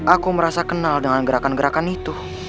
aku merasa kenal dengan gerakan gerakan itu